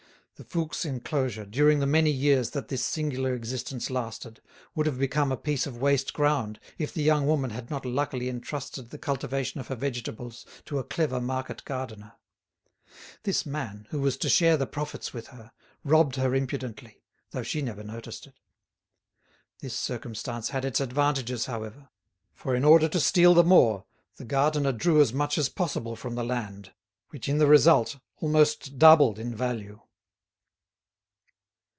The Fouques' enclosure, during the many years that this singular existence lasted would have become a piece of waste ground if the young woman had not luckily entrusted the cultivation of her vegetables to a clever market gardener. This man, who was to share the profits with her, robbed her impudently, though she never noticed it. This circumstance had its advantages, however; for, in order to steal the more, the gardener drew as much as possible from the land, which in the result almost doubled in value.